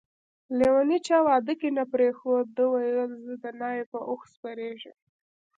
لیونی چا واده کی نه پریښود ده ويل چي زه دناوی په اوښ سپریږم